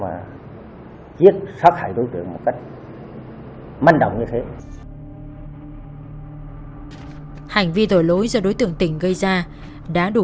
để mà giết sát hại đối tượng một cách manh động như thế hành vi tội lỗi do đối tượng tỉnh gây ra đã đủ